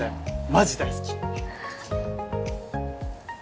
マジ大好き！